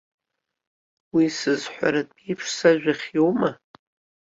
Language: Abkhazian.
Уи сызҳәартә еиԥш сажәа хиоума?